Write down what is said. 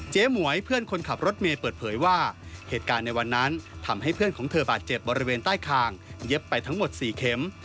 หมวยเพื่อนคนขับรถเมย์เปิดเผยว่าเหตุการณ์ในวันนั้นทำให้เพื่อนของเธอบาดเจ็บบริเวณใต้คางเย็บไปทั้งหมด๔เข็ม